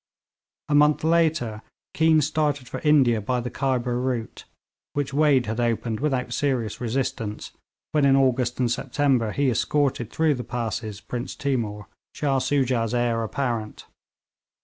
A month later Keane started for India by the Khyber route, which Wade had opened without serious resistance when in August and September he escorted through the passes Prince Timour, Shah Soojah's heir apparent.